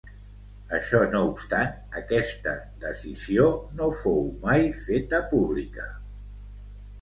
Això no obstant, aquesta decisió no fou mai feta pública.